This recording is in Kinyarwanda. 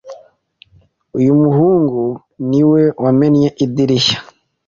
Uyu muhungu ni we wamennye idirishya.